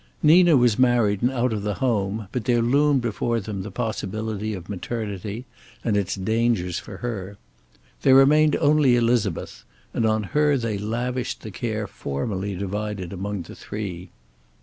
Nina was married and out of the home, but there loomed before them the possibility of maternity and its dangers for her. There remained only Elizabeth, and on her they lavished the care formerly divided among the three.